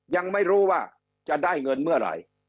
ยังไม่รู้ว่าจะได้เงินเมื่อไหร่